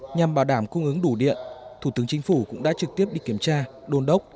nhằm bảo đảm cung ứng đủ điện thủ tướng chính phủ cũng đã trực tiếp đi kiểm tra đôn đốc